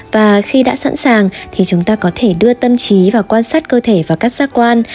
và khi đã sẵn sàng thì chúng ta có thể đưa tâm trí vào quan sát cơ thể vào các giác quan